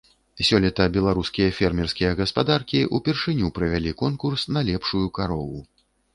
Сёлета беларускія фермерскія гаспадаркі ўпершыню правялі конкурс на лепшую карову.